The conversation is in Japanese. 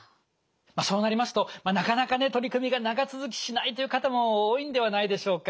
そうなりますとなかなか取り組みが長続きしないという方も多いんではないでしょうか。